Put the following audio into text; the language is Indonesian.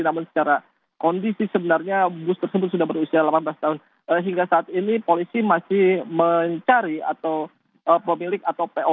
namun secara kondisi sebenarnya bus tersebut sudah berusia delapan belas tahun hingga saat ini polisi masih mencari atau pemilik atau po